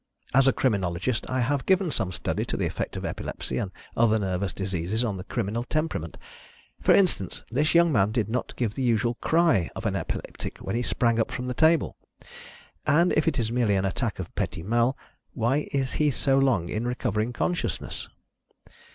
As a criminologist, I have given some study to the effect of epilepsy and other nervous diseases on the criminal temperament. For instance, this young man did not give the usual cry of an epileptic when he sprang up from the table. And if it is merely an attack of petit mal, why is he so long in recovering consciousness?"